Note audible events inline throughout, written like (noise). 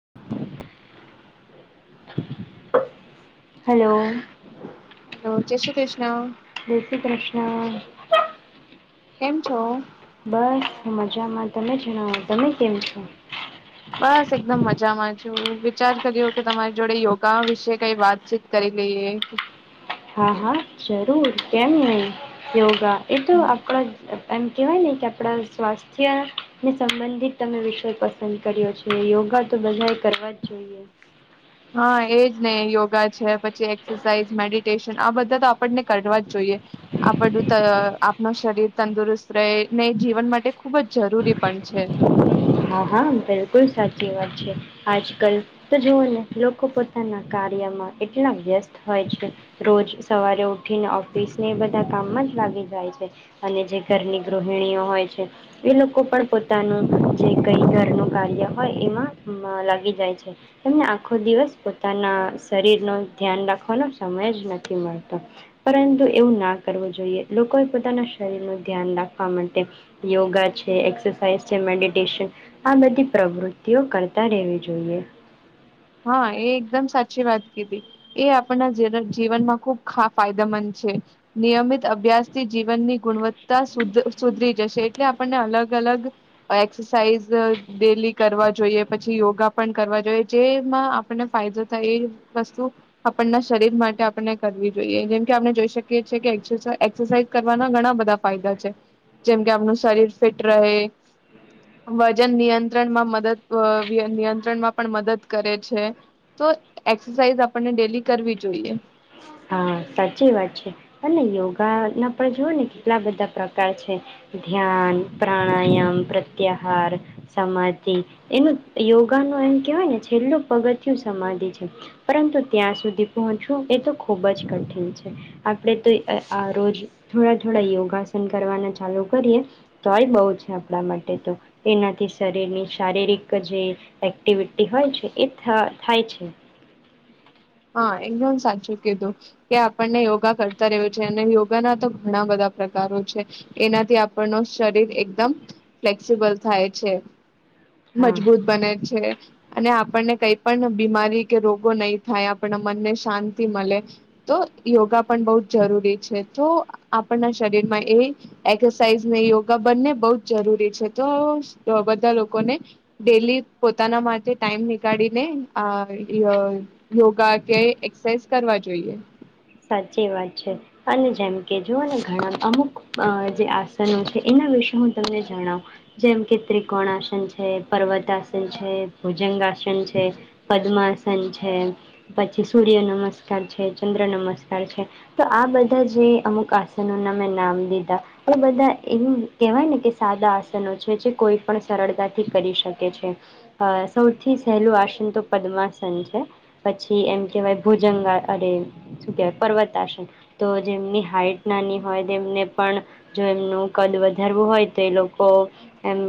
(inaudible) Hello. Hello જય શ્રી કૃષ્ણ. હમ. કેમ છો. બસ મજામાં તમે જણાવો તમે કેમ છો. બસ એકદમ મજામાં છું વિચાર કર્યો કે તમારી જોડે યોગા વિશે કઈ વાતચીત કરી લઈએ. હા હા જરૂર કેમ ન યોગા... એ તો આપણા... એમ કહેવાય નને કે આપણા સ્વાસ્થ્યને સંબંધિત તમે વિષય પસંદ કર્યો છે યોગા તો બધા- હા એજ ને યોગા. પછી એક્સરસાઝ મેડિટેશન આ બધા તો આપને કરવા જ જોઈએ આપણું આપણ શરીર તંદુરસ્ત રહે ને જીવન માટે ખૂબ જ જરૂરી પણ છે. હા હા બિલકુલ સાચી વાત છે આજ કલ તો જવઓ ને લોકો પોતાના કાર્યમાં એટલા વ્યસ્ત હોય છે રોજ સવારે ઉઠીને ઓફિસને એ બધા કામમાં જ લાગી જાય છે અને જે ઘરની ગૃહિણીઓ હોય છે એ લોકો પણ પોતાનું જે કઈ ઘરનું કાર્ય હોય એમાં લાગી જાય છે. એમને આખો દિવસ પોતાના શરીર ન ધ્યાન રાખવાનો સમય જ નથી મળતો. પરંતુ એવું ના કરવું જોઈએ લોકોએ પોતાના શરીરનું ધ્યાન રાખવા માટે યોગા છે એસસાઇઝ છે. આ બધી પ્રવૃત્તિઓ કરતા રહેેવી જોઈએ. હા એ એકદમ સાચી વાત કીધી એ આપના જીવનમાં ખુબ ફાયદા મંદ છે. નિયમિત અભ્યાસથી જીવનની ગુણવત્તા સુધ સુધરી જશે એટલે આપણને અલગ અલગ એક્સરસાઇઝ ડેલી કરવા જોઈએ પછી યોગા પણ કરવા જોઈએ જે. આપને ફાયદો થાય એ વસ્તુ આપના શરીર માટે આપણે કરવી જોઈએ જેમકે આપણે જોઈ શકીએ છએ કે એક્સરસાઇઝ કરવાના ઘણા બધા ફાયદા છે. જેમકે આપણું શરીર ફિટ રહે, વજન નિયંત્રણમાં મદદ નિયંત્રણમાં પણ મદદ. કરે છે તો એક્સરસાઇઝ આપને ડેલી કરવી જોઈએ. હા સાચી વાત છે. અને યોગાના પણ જુઓ ને કેટલા બધા પ્રકાર છે ધ્યાન પ્રાણાયામ પ્રત્યાહાર સમાધિ એનું યોગાનું એમ કહેવાય ને છેલ્લું પગથય સમાધિ છે પરંતુ ત્યાં સુધી પહોંચવું એ તો ખૂબ જ કઠિન. આપણે તો આ રોજ થોડા થોડા યોગાસન કરવાના ચાલુ કરીએ તોય બહ છે, આપણા માટે તો એનાથી શરીરની શારીરિક જે એક્ટિવિટી હોય છે એ થાય છે. હા એને હું સાચું કીધું કે આપણને યોગા કરતા રહ્યું છે અને યોગાના તો ઘણા બધા પ્રકારો છે એનાથી આપણ ન શરીર એકદમ ફ્લેક્સિબલ થાય છે. હા મજબૂત બને છે. અને આપણને કઈ પણ બીમારી કે રોગો નહી થાય આપ મનને શાંતિ મળે તો યોગા પણ બહ જ જરૂરી છે તો, આપણના શરીરમાં એ એક્સરસાઇઝ ને યોગા બંને બહ જ જરૂરી છે તો બધા લોકોને ડેલી પોતાના માટે ટાઈમ નીકાળીને આ યોગા કે એક્સરસાઇઝ કરવા જોઈએ. સાચી વાત છે અને જેમ કે જોઓને ઘણા અમુક જે આસનો છે એના વિશે હું તમને જણાવ જેમ કે ત્રિકોણ આસન છે, પર્વત આસન છે, ભુજંગ આસન છે પદ્મા છે. પછી સૂર્ય નમસ્કાર છે, ચંદ્ર નમસ્કાર તો આ બધા જે અમુક આસનોના મેં નામ લીધા પણ બધા એમ કહેવાય ને કે સાદા આસનો છે, જે કોઈ પણ સરળતાથી કરી શકે છે. સૌથી સહેલું આસન તો પદ્માસન છે પછી એમ કેહેવાય ભુજંગાળ અરે શું કહેવાય પર્વત આસન તો જેમની હાઈટ નાની હોય તેમને પણ જો એમનું કદ વધારવું હોય તો એ લોકો એમ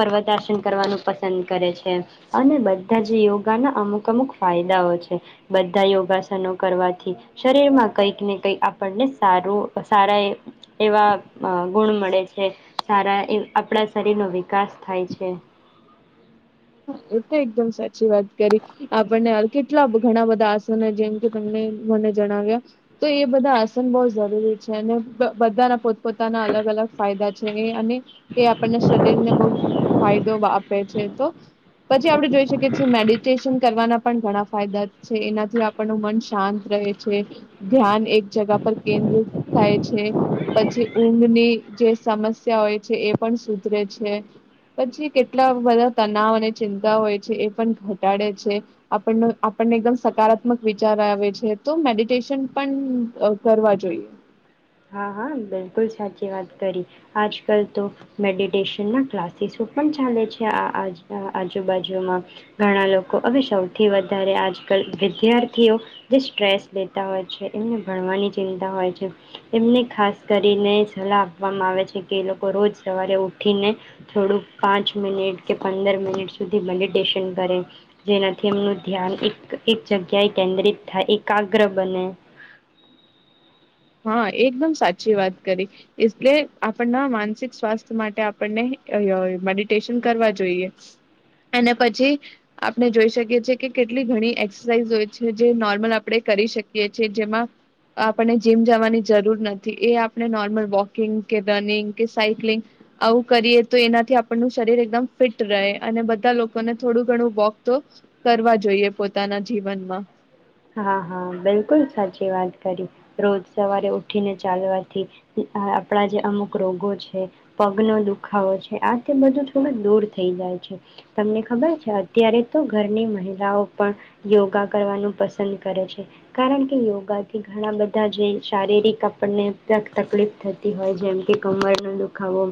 પર્વત આસન કરવાનું પસંદ કરે છે, અને બધા જ યોગાના અમુક અમુક ફાયદાઓ છે બધા યોગાસનો કરવા. શરીરમાં કંઈક ને કઈક આપણને સારું સારા એ એવા ગુણ મળે છે સારા આપણા શરીરનો વિકાસ થાય છે. એ તો એકદમ સાચી વાત કરી આપણને કેટલા ઘણા બધા આસન જેમ કે તમને મને જણાવ્યા તો એ બધા આસન બહુ જરૂરી છે, અને બધાના પોતપોતાના અલગ અલગ ફાયદા છે એ અને એ આપણને શરીરને બહ ફાયદો આપે છે તો પછ આપ જોઈ શકીએ મેડિટેશન કરવાના પણ ઘણા ફાયદા છે. એનાથી આપણનું મન શાંત રહે છે, ધ્યાન એક જગા પર કેન્દ્રિત થાય છે, પછી ઊંઘની જે સમસ્યા હોય છે એ પણ સુધરે છે, પછી કેટલા બધા તનાવ અને ચિંતા હોય છે એ પણ ઘટાડે છે આપણ આપણને એકદમ સકારાત્મક વિચાર આવે છે તો મેડિટેશન પણ કરવા જોઈએ. હા હા બિલકુલ સાચી વાત કરી આજ કલ તો મેડિટેશન ના ક્લાસીસો પણ ચાલે છે. આ આજુબાજુમાં ઘણા લોકો હવે સૌથી વધારે આજકાલ વિદ્યાર્થીઓ જે સ્ટ્રેસ લેતા હોય છે એમને ભણવાની ચિંતા હોય છે. એમને ખાસ કરીને સલાહ આપવામાં આવે છે કે એ લોકો રોજ સવારે ઉઠીને થોડુંક પાંચ મિનિટ કે પંદર મિનિટ સુધી મેડિટેશન કરે જેનાથી એમનું ધ્યાન એક એક જગ્યાએ કેન્દ્રિત થાય એકાગ્ર બને. હા એકદમ સાચી વાત કરી એટલે આપણના માનસિક સ્વાસ્થ્ય માટે આપણને મેડિટેશન કરવા જોઈએ અને પછી આપણે જોઈ શકીએ છીએ કે, કેટલી ઘણી એક્સરસાઇઝ હોય છે જે નોર્મલ આપણે કરી શકીએ છએ જેમાં આપને. જીમ જવાની જરૂર નથી એ આપણે નોર્મલ વોકિંગ કે રનિંગ કે સાયક્લિંગ આવું કરીએ તો એનાથી આપણનું શરીર એકદમ ફિટ રહે અને બધા લોકોને થોડું ઘણું વોક તો કરવા જોઈએ પોતાના જીવનમાં. હા હા બિલકુલ સાચી વાત કરી રોજ સવારે ઉઠીને ચાલવાથી આપણા જે અમુક રોગો છે પગનો દુખાવો છે આ તે બધું થોડું દૂર થઈ જાય છે. તમને ખબર છે અત્યારે. તો ઘરની મહિલાઓ પણ યોગા કરવાનું પસ પ કરે છે કારણ કે યોગાથી ઘણા બધા જે શારીરિક આપણને તકલીફ થતી હોય જેમ કે કમરનો દુખાવો,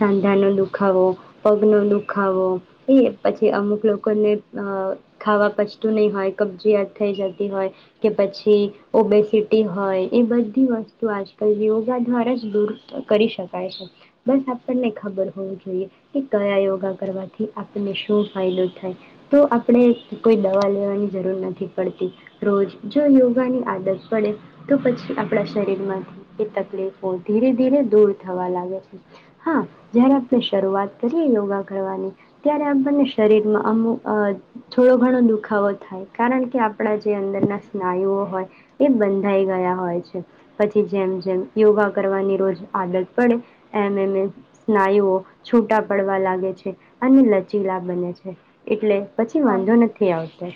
સાંધાનો દુખાવો, પગનોો દુખાવો એ પછી અમુક લોકોને ખાવા પચતું નહીં હોય કબજીયાદ થઈ જત હોય કે પછી ઓબેસીટી હોય એ બધી વસ્તુ આજકાલ યોગા દ્વારા જ દૂર કરી શકાય છે બસ આપણને ખબર હોવું જોઈએ કે કયા યોગા કરવાથી આપણને શું ફાયદો થાય તો આપણે કોઈ દવા લેવાની જરૂર નથી પડતી. રોજ જો યોગા ની આદત પડે તો પછી આપણા શરીર માંથી એ તકલીફો ધીરે ધીરે દૂર થવા લાગે છે હા જયારે આપણે શરૂઆત કરીએ યોગા કરવાની. ત્યારે આપણને શરીરમાં અમુક અ થોડો ઘણો દુખાવો થાય કારણ કે આપણા જે અંદરના સ્નાયુઓ હોય એ બંધાઈ ગયા હોય છે પછી જેમ જેમ યોગા કરવાની રોજ આદત પડે એમ એમ સ્નાયુઓ છૂટા પડવા લાગે છે અને લચીલા બને છે એટલે. પછી હા વાંધો નથી આવતો.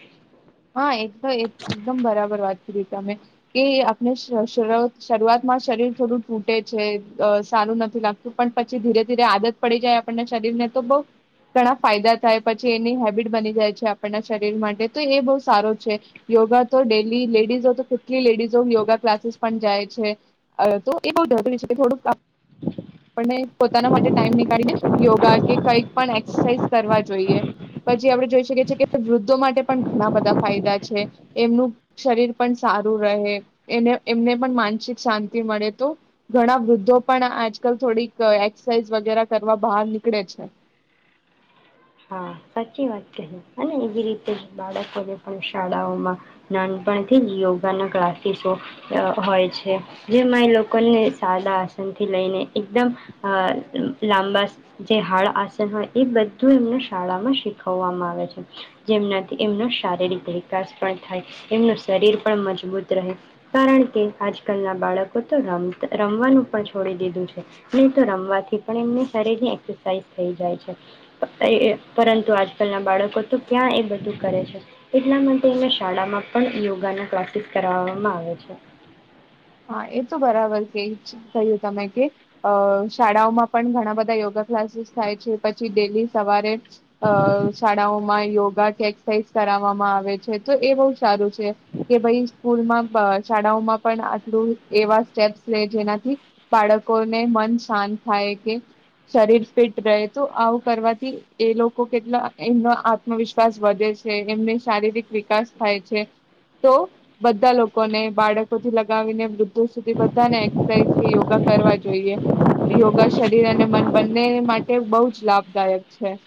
હા એક એકદમ બરાબર વાત કરી તમે કે આપણે શરૂઆતમાં શરીર થોડું તૂટે છે સારું નથી લાગતું પણ, પછી ધીરે ધીરે આદત પડી જાય આપણના શરીર ને તો બહ ઘણા ફાયદા થાય પછી એની હેબિટ બની જાય છે આપણના શરીર માટે તો એ બહ સારો છે યોગા તો ડેલી લેડીઝો તો કેટલી લેડીઝો યોગા ક્લાસીસ પણ જાય છે તો એ બરૂરી છે થોડુંક પોના માટે ટાઈમનીળીને યોગા કે કંઈક પણ એક્સરસાઇઝ કરવા જોઈએ. પછી આપડણે જોઈ શકીએ છીએ કે વૃદ્ધો માટે પણ ઘણા બધા ફાયદા છે. એમનું શરીર પણ સારું રહે એને એમને પણ માનસિક શાંતિ મળે તો ઘણા વૃદ્ધો પણ આ આજલ થોડીક એક્સરસાઇઝ વગેરે કરવા બહાર નીકળે છે. હા સાચી વાત કહી અને એવી રીતે બાળકોને પણ શાળાઓમાં નાનપણથી જ યોગાના ક્લાસીસો હોય છે. જેમાં એ લોકોને સાદા આસનથી લઈને એકદમ લાંબા જે હાળ આસન હોય એ બધ શાળામાં શીખવામાં આવે છે જેમનાથી એમનો શારીરિક વિકાસ પણ થાય એમનું શરીર પણ મજબૂત રહે કારણ કે આજકાલના બાળકો તો રમ રમવાનું પણ છોડી દીધું છે નહી તો રમવાથી પણ એમને શરીરની એરસાઇઝ થઈ જાય છે. પરંતુ આજકાલના બાળકો તો ક્યાં એ બધું કરે છે એટલા માટે એને શાળામાં પણ યોગાનો પ્રેક્ટિસ કરવામાં આવે છે. હા એ તો બરાબર છે એ જ કહ્યું તમે કે અ શાળાઓમાં પણ ઘણા બધા યોગા ક્લાસીસ થાય છે. પછી ડેલી સવારે અ શાળાઓમાં યોગા કે એક્સરસાઇઝ કરવામાં આવે છે તો એ બહુ સારું છે. કે ભાઈ સ્કૂલમાં શાળાઓમાં પણ. એવા સ્ટેપ્સ લે જેનાથી બાળકોને મન શાંત થાય કે શરીર ફિટ રહે તો આવું કરવાથી એ લોકો કેટલા એમનો આત્મવિશ્વાસ વધે છે એમને શારીરિક વિકાસ થાય છે તો બધા લોકોને બાળકોથી. ને વૃદ્ધો સુધી બધાને એક્સરસાઇઝ કે યોગા કરવા જોઈએ યોગા શરીર અને મન બંને માટે બહુ જ લાભદાયક છે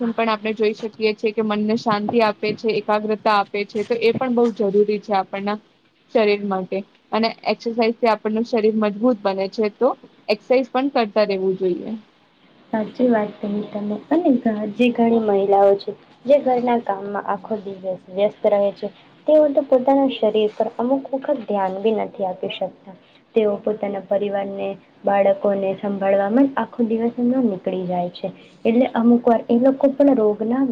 હા પણ આપણે જોઈ શકીએ છીએ કે મનને શાંતિ આપે છે, એકાગ્રતા આપે છે. તો એ પણ બહ જરૂરી છે આપણના શરીર માટે અને એક્સરસાઇઝથી આપણનું શરીર મજબૂત બને છે, તો એક્સરસાઇઝ પણ કરતા રહેવું જોઈએ. સાચી વાત કહી તમે. અને જે ઘણી મહિલાઓ છે, જે ઘરના કામમાં આખો દિવસ વ્યસ્ત રહે છે તેઓ તો પોતાના શરીર પર અમુક વખત ધ્યાન બી નથી આપી શકતા. તેઓ પોતાના પરિવારને, બાળકોને સંભાળવાવામાં જ આખો દિવસ એમનો નિકળી જાય છે. એટલે અમુક વાર એ લોકો પણ રોગના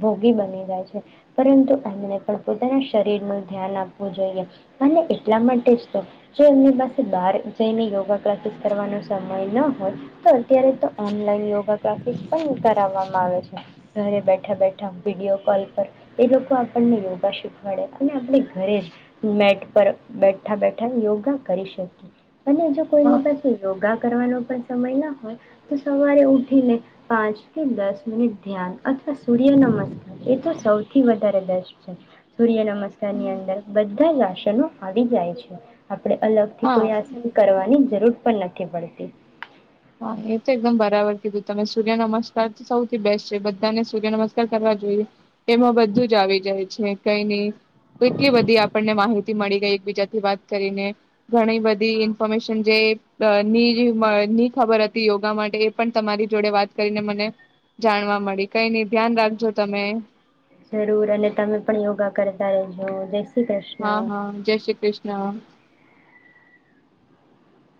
ભોગી બની જાય છે. પરંતુ એમણે પણ પોતાના શરીરનું ધ્યાન આપવું જોઈએ. અને એટલા માટે જ તો, જો એમની પાસે બહાર જઈને યોગા ક્લાસીસ કરવાનો સમય ન હોય, તો અત્યારે તો ઓનલાઈન યોગા ક્લાસીસ પણ કરાવવામાં આવે છે. ઘરે બેઠા બેઠા વિડીયો કોલ પર એ લોકો આપણને યોગા શીખવાડે, અને આપણે ઘરે જ મેટ પર બેઠા બેઠા યોગા કરી શકીએ. અને જો હા કોઈની પાસે યોગા કરવાનો પણ સમય ના હોય તો સવારે ઉઠીને પાંચ કે દસ મિનિટ ધ્યાન અથવા સૂર્ય નમસ્કાર, એ તો સૌથી વધારે બેસ્ટ છે. સૂર્ય નમસ્કારની અંદર બધ્ધા જ આસનો આવી જાય છે. આપણે અલગથી હા કોઈ આસન કરવાની જરૂર પણ નથી પડતી. હા, એ તો એકદમ બરાબર કીધું તમે. સૂર્ય નમસ્કાર તો સૌથી બેસ્ટ છે. બધાને સૂર્ય નમસ્કાર કરવા જોઈએ. એમાં બધું જ આવી જાય છે. કંઈ નહી. એટલી બધી આપણને માહિતી મળી ગઈ એકબીજાથી વાત કરીને. ઘણી બધી હા ઇન્ફોર્મેશન જે અ ની રી ની ખબર હતી યોગા માટે, એ પણ તમારી જોડે વાત કરીને મને જાણવા મળી. કંઈ નહીં. ધ્યાન રાખજો તમે. જરૂર અને તમે પણ યોગા કરતા રજો. હા હા જય શ્રી કૃષ્ણ.